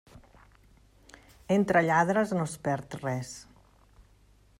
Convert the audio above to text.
Entre lladres no es perd res.